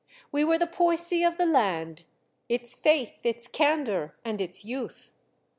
We were the poesy of the land, its faith, its candor, and its youth.